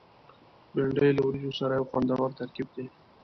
بېنډۍ له وریجو سره یو خوندور ترکیب دی